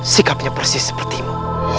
sikapnya persis seperti mu